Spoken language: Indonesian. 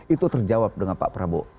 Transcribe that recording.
itu terjawab dengan pak prabowo